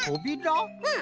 うん。